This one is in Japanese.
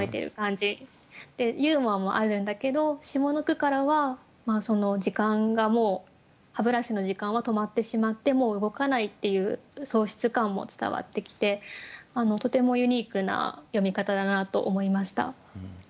ユーモアもあるんだけど下の句からは時間がもう歯ブラシの時間は止まってしまってもう動かないっていう喪失感も伝わってきてとてもユニークな詠み方だなと思いました。